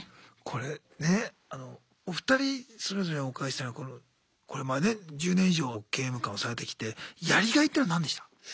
これねお二人それぞれお伺いしたいのがこれまで１０年以上刑務官をされてきてやりがいっていうの何でした？